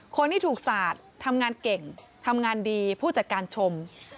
คนที่ถูกสาดทำงานเก่งทำงานดีผู้จัดการชม